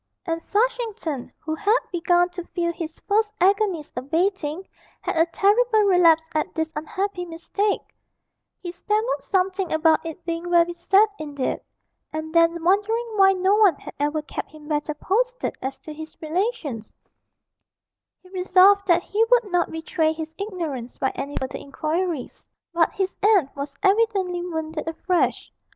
And Flushington, who had begun to feel his first agonies abating, had a terrible relapse at this unhappy mistake; he stammered something about it being very sad indeed, and then, wondering why no one had ever kept him better posted as to his relations, he resolved that he would not betray his ignorance by any further inquiries. But his aunt was evidently wounded afresh.